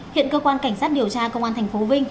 hiện cơ quan cảnh sát điều tra công an thành phố vinh